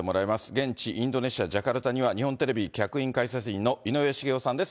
現地、インドネシア・ジャカルタには、日本テレビ客員解説員の井上茂男さんです。